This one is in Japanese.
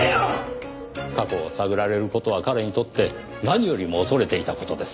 過去を探られる事は彼にとって何よりも恐れていた事です。